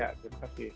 ya terima kasih